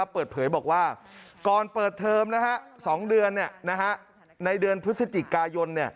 เปิดเผยบอกว่าก่อนเปิดเทอม๒เดือนในเดือนพฤศจิกายน